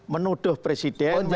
menuduh presiden dan gopolnya